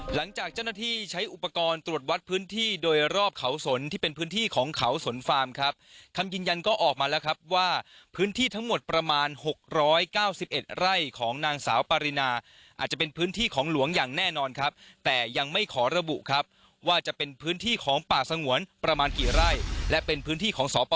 หลังจากเจ้าหน้าที่ใช้อุปกรณ์ตรวจวัดพื้นที่โดยรอบเขาสนที่เป็นพื้นที่ของเขาสนฟาร์มครับคำยืนยันก็ออกมาแล้วครับว่าพื้นที่ทั้งหมดประมาณหกร้อยเก้าสิบเอ็ดไร่ของนางสาวปารินาอาจจะเป็นพื้นที่ของหลวงอย่างแน่นอนครับแต่ยังไม่ขอระบุครับว่าจะเป็นพื้นที่ของป่าสงวนประมาณกี่ไร่และเป็นพื้นที่ของสป